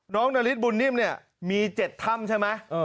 นาริสบุญนิ่มเนี่ยมี๗ถ้ำใช่ไหม